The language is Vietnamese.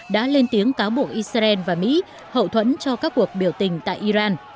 đã lên tiếng cáo buộc israel và mỹ hậu thuẫn cho các cuộc biểu tình tại iran